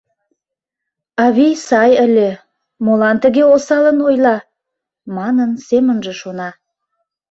«Авий сай ыле, молан тыге осалын ойла» манын, семынже шона.